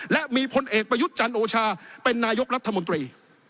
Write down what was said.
และมีพลเอกประยุทธ์จันทร์โอชาเป็นนายกรัฐมนตรี